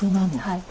はい。